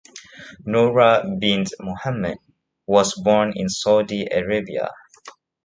Noura bint Mohammed was born in Saudi Arabia.